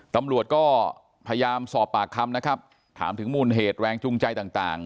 ตำรวจก็พยายามสอบปากคำนะครับถามถึงมูลเหตุแรงจูงใจต่าง